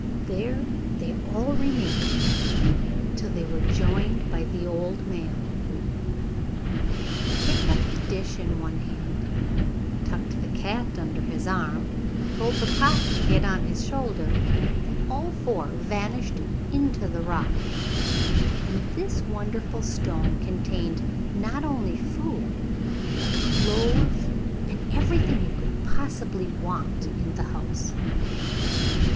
There they all remained, till they were joined by the old man. He picked up the dish in one hand, tucked the cat under his arm, told the cock to get on his shoulder, and all four vanished into the rock. And this wonderful stone contained not only food, but clothes and everything you could possibly want in the house.